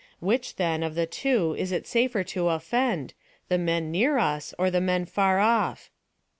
Which, then, of the two is it safer to offend, the men near us, or the men far off?"